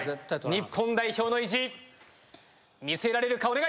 日本代表の意地見せられるか？